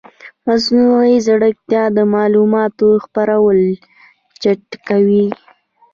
مصنوعي ځیرکتیا د معلوماتو خپرول چټکوي.